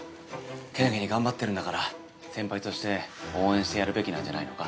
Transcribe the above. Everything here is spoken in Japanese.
健気に頑張ってるんだから先輩として応援してやるべきなんじゃないのか？